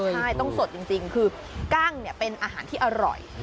ใช่ต้องสดจริงคือกั้งเป็นอาหารที่อร่อย